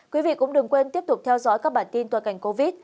quý vị cũng đừng quên tiếp tục theo dõi các bản tin toàn cảnh covid